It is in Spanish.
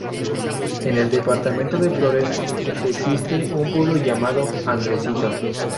En el departamento de Flores existe un pueblo llamado Andresito.